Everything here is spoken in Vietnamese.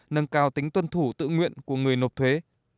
nâng cao tính tuân thủ tự nguyện của người nộp thuế